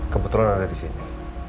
kebetulan anda disini